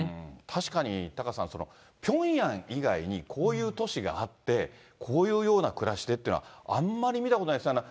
確かにタカさん、ピョンヤン以外にこういう都市があって、こういうような暮らしでっていうのは、あんまり見たことないですよね。